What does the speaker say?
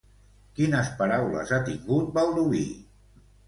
Quines paraules ha tingut Baldoví?